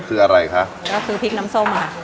คืออะไรคะก็คือพริกน้ำส้มค่ะ